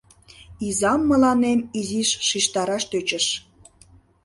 Изам мыланем изиш шижтараш тӧчыш...